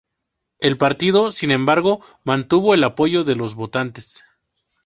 El partido, sin embargo, mantuvo el apoyo de los votantes.